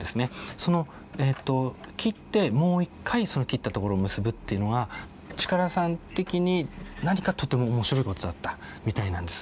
その切ってもう一回その切ったところを結ぶっていうのが力さん的に何かとても面白いことだったみたいなんです。